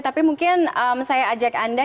tapi mungkin saya ajak anda